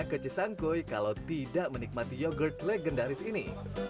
saya cek sangkoy kalau tidak menikmati yogurt legendaris ini